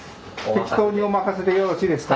適当にお任せでよろしいですか？